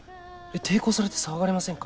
抵抗されて騒がれませんか？